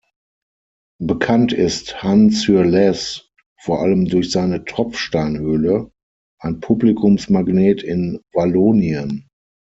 Bekannt ist Han-Sur-Lesse vor allem durch seine Tropfsteinhöhle, ein Publikumsmagnet in Wallonien.